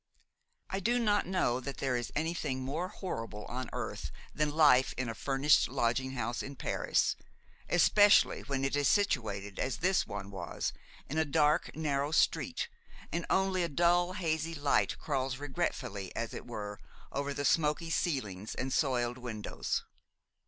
I do not know that there is anything more horrible on earth than life in a furnished lodging house in Paris, especially when it is situated, as this one was, in a dark, narrow street, and only a dull, hazy light crawls regretfully, as it were, over the smoky ceilings and soiled windows.